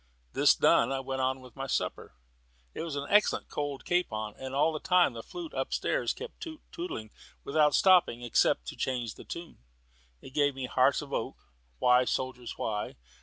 This done, I went on with my supper it was an excellent cold capon and all the time the flute up stairs kept toot tootling without stopping, except to change the tune. It gave me "Hearts of Oak," "Why, Soldiers, why?"